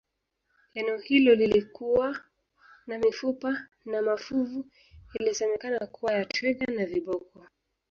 eneo hilo lililokuwa na mifupa na mafuvu ilisemekana kuwa ya twiga na viboko